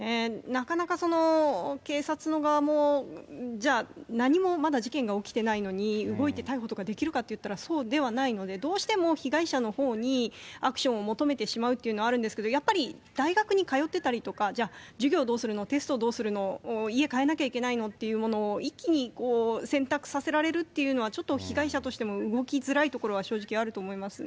なかなか警察の側も、じゃあ、何もまだ事件が起きてないのに、動いて逮捕とかできるかっていったらそうではないので、どうしても被害者のほうにアクションを求めてしまうっていうのがあるんですけど、やっぱり大学に通ってたりとか、じゃあ、授業どうするの、テストどうするの、家かえなきゃいけないのっていうものを一気に選択させられるっていうのは、ちょっと被害者としても動きづらいところは正直あると思いますね。